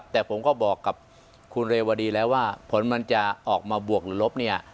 แต่ผมก็บอกกับคุณเรวดีแล้วว่าผลมันจะออกมาบวกหรือลบเนี่ย